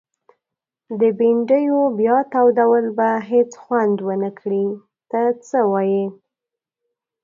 د بنډیو بیا تودول به هيڅ خوند ونکړي ته څه وايي؟